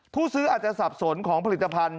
ผู้ซื้ออาจจะสับสนของผลิตภัณฑ์